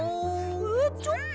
えっちょっと！